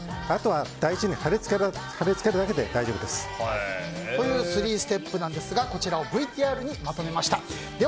あとは台紙に貼り付けるだけでという３ステップですがこちらをＶＴＲにまとめました。